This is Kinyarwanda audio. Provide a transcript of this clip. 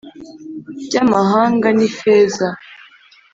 By amahanga ni ifeza